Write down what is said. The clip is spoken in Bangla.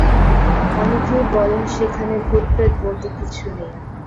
অনেকেই বলেন সেখানে ভুতপ্রেত বলতে কিছু নেই।